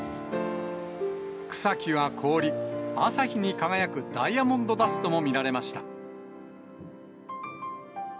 草木は凍り、朝日に輝くダイヤモンドダストも見られました。